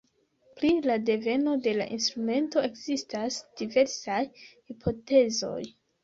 Pri la deveno de la instrumento ekzistas diversaj hipotezoj.